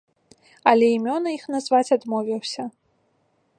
Але імёны іх назваць адмовіўся.